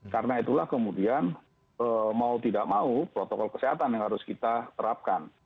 karena itulah kemudian mau tidak mau protokol kesehatan yang harus kita terapkan